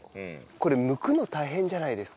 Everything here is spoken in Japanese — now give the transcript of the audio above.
これ剥くの大変じゃないですか？